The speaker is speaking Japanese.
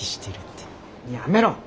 やめろ！